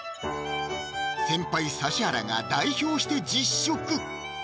先輩・指原が代表して実食！